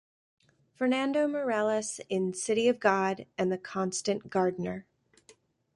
Fernando Meirelles in "City of God" and "The Constant Gardener".